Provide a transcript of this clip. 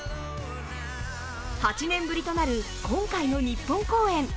８年ぶりとなる今回の日本公演。